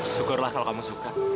syukurlah kalau kamu suka